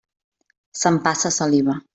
S'empassa saliva.